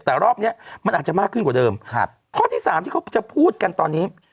แต่รอบเนี้ยมันอาจจะมากขึ้นกว่าเดิมครับข้อที่สามที่เขาจะพูดกันตอนนี้